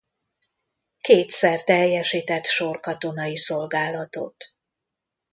Kétszer teljesített sorkatonai szolgálatot.